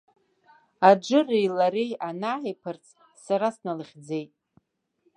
Аџыри лареи анааиԥырҵ, сара сналыхьӡеит.